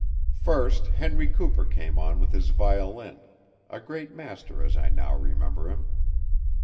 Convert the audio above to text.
First Henry Cooper came on with his violin a great master as I now remember him.